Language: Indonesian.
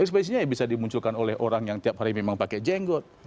ekspresi ketidakpuasan yang bisa dimunculkan oleh orang yang tiap hari memang pakai jenggot